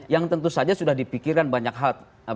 yang tentu saja sudah dipikirkan banyak hal